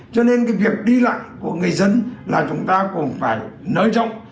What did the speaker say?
cho nên cái việc đi lại của người dân là chúng ta cũng phải nới rộng